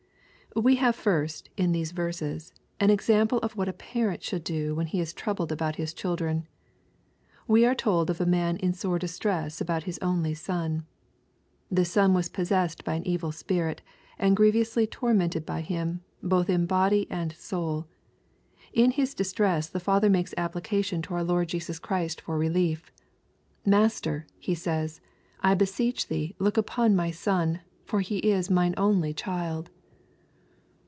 We have first, in these verses, an example of tohat a parent should do when he is troubled about his children. We are told of a man in sore distress about his only son. This son was possessed by an evil spirit, and grievously tormented by him, both in body and soul. In his distress the father makes application to our Lord 14* 822 EXPOSITOBT THOUGHTS. JesiiB Christ for relief. "Master," he says, "I beseech Thee look apon my son : for he is mine only child."